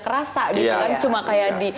kerasa gitu kan cuma kayak di